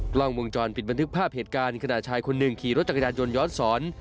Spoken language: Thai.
กล้องวงจรปิดบันทึกภาพเหตุการณ์ขณะชายคนหนึ่งขี่รถจักรยานยนต์ย้อนสอน